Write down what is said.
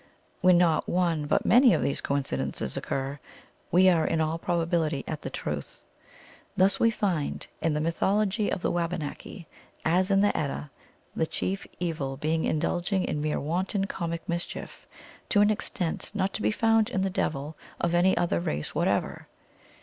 When not one, but many, of these coincidences occur, we are in all probability at the truth. Thus we find in the mythol ogy of the Wabanaki, as in the Edda, the chief evil being indulging in mere wanton, comic mischief, to an extent not to be found in the devil of any other race whatever.